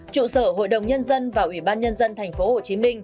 trụ sở hội đồng nhân dân và ubnd tp hcm